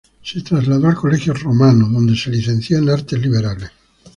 Se trasladó al "Collegio Romano", donde se licenció en artes liberales.